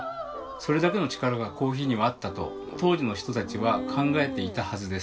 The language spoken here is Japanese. それだけの力がコーヒーにはあったと当時の人たちは考えていたはずです。